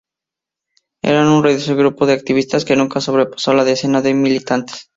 Eran un reducido grupo de activistas, que nunca sobrepasó la decena de militantes.